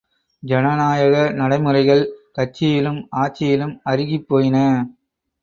ஜனநாயக நடை முறைகள் கட்சியிலும் ஆட்சியிலும் அருகிப் போயின.